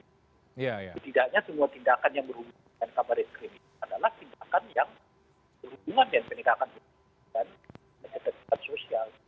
setidaknya semua tindakan yang merumitkan kabar reskrim adalah tindakan yang berhubungan dengan peningkatan sosial